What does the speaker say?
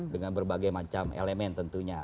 dengan berbagai macam elemen tentunya